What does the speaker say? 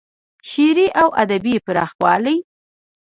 شعري او ادبي پراخوالی